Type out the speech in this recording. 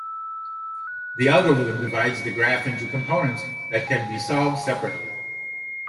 The algorithm divides the graph into components that can be solved separately.